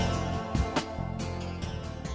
ขอบคุณค่ะ